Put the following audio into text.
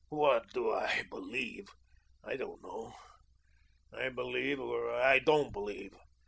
"What do I believe? I don't know. I believe, or I don't believe.